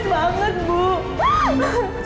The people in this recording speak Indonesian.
mbak nek kau kenapa